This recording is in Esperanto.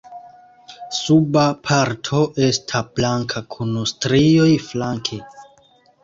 Suba parto esta blanka kun strioj flanke.